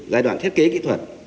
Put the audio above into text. giai đoạn thiết kế kỹ thuật